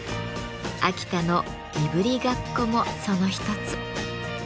秋田の「いぶりがっこ」もその一つ。